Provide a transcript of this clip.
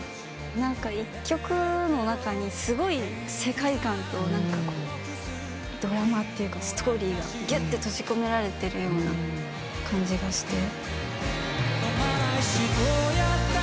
何か１曲の中にすごい世界観とドラマっていうかストーリーがぎゅっと閉じ込められてるような感じがして。